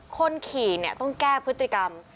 คนขี่ต้องแก้พฤติกรรม